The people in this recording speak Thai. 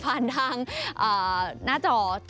ที่เห็นได้ผ่านช่วยครับ